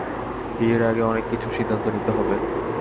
বিয়ের আগে অনেক কিছুর, সিদ্ধান্ত নিতে হবে।